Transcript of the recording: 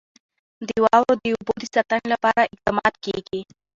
د واورو د اوبو د ساتنې لپاره اقدامات کېږي.